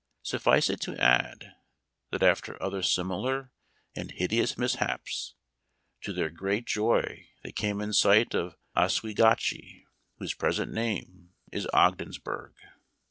Suffice it to add, that after other similar and hideous mishaps, to their great joy they came in sight of Oswe gatchie, whose present name is Ogdensburg.